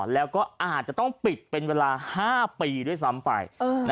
แล้วก็อาจจะต้องปิดเป็นเวลา๕ปีด้วยซ้ำไป